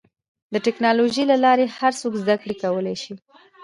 د ټکنالوجۍ له لارې هر څوک زدهکړه کولی شي.